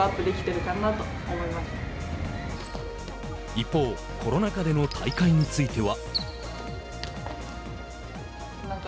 一方コロナ禍での大会については。